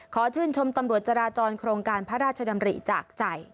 ขอชื่นชมตำรวจจราจรโครงการพระราชดำริจากใจ